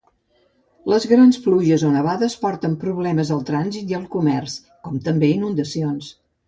Les grans pluges o nevades porten problemes al trànsit i el comerç, com també inundacions.